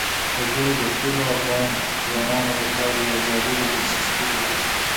وګړي د ټولو افغان ځوانانو لپاره یوه جالبه دلچسپي لري.